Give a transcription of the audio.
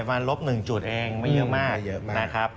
มันลบ๑จุดเองไม่เยอะมาก